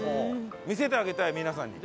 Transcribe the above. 見せてあげたい皆さんに。